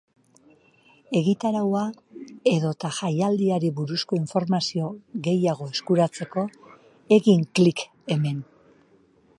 Egitaraua edota jaialdiari buruzko informazio gehiago eskuratzeko, egin klik hemen.